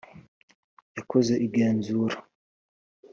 yakoze igenzura.